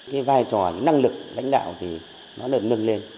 cái vai trò năng lực lãnh đạo thì nó được nâng lên